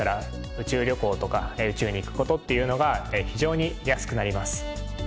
宇宙旅行とか宇宙に行く事っていうのが非常に安くなります。